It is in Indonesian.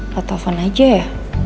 katau kan aja ya